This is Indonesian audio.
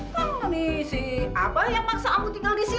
kan nih si abah yang maksa ambu tinggal di sini